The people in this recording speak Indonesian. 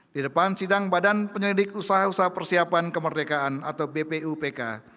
di depan sidang badan penyelidik usaha usaha persiapan kemerdekaan atau bpupk